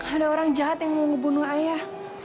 ada orang jahat yang mau ngebunuh ayah